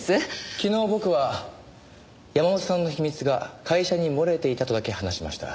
昨日僕は山本さんの秘密が会社に漏れていたとだけ話しました。